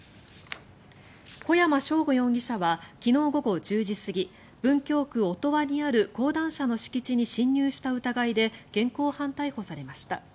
小山尚吾容疑者は昨日午後１０時過ぎ文京区音羽にある講談社の敷地に侵入した疑いで現行犯逮捕されました。